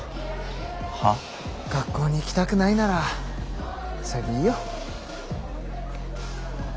学校に行きたくないならそれでいいよ。